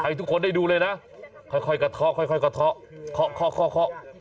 ให้ทุกคนได้ดูเลยนะค่อยกระเทาะค่อยกระเทาะเคาะ